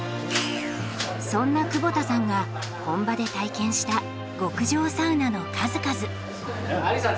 そんな窪田さんが本場で体験した極上サウナの数々。